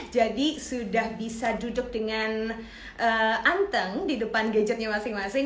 jadi sudah bisa duduk dengan anteng di depan gadgetnya masing masing